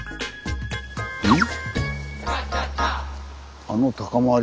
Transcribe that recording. うん？